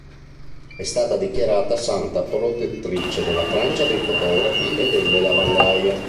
È stata dichiarata santa protettrice della Francia, dei fotografi, e delle lavandaie.